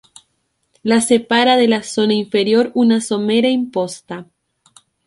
La separa de la zona inferior una somera imposta.